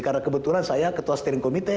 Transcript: karena kebetulan saya ketua steering committee